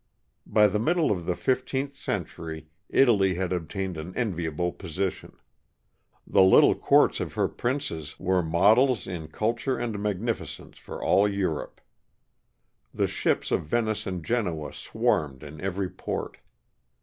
By the middle of the fifteenth century, Italy had obtained an enviable position. The little courts of her princes were models in culture and magnificence for all Europe. The ships of Venice and Genoa swarmed in every port.